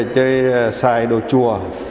chơi xài đồ chùa